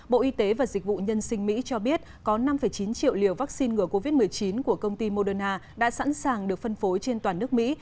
bộ y tế và dịch vụ nhân sinh mỹ cho biết có năm chín triệu liều vaccine ngừa covid một mươi chín của công ty moderna đã sẵn sàng được phân phối trên toàn nước mỹ